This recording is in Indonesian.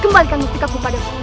kembalikan mustikaku padamu